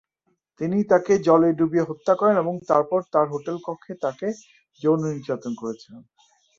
তিনি তাকে জলে ডুবিয়ে হত্যা করেন এবং তারপরে তার হোটেল কক্ষে তাকে যৌন নির্যাতন করেছিলেন।